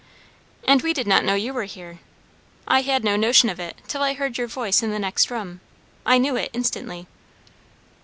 "And we did not know you were here. I had no notion of it till I heard your voice in the next room. I knew it instantly."